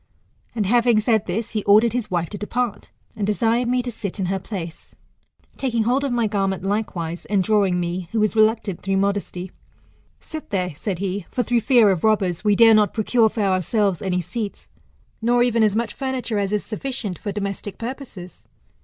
And having said this, he ordered his wife to depart, and desired jpne to sit in her place. Taking hold of my garment likewise, and drawing me, who was reluctant through modesty, Sit there, said he ; for through fear of robbers, we dare not procure for ourselves any t4 tils llETAlilOltPHOSlS, Oit seatSy nor eTen as much furniture as is sufficient for domestic purposes.